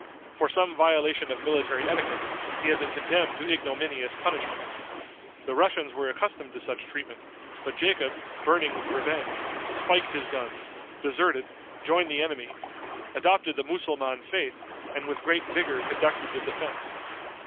For some violation of military etiquette, he had been condemned to ignominious punishment. The Russians were accustomed to such treatment, but Jacob, burning with revenge, spiked his guns, deserted, joined the enemy, adopted the Mussulman faith, and with great vigor conducted the defense.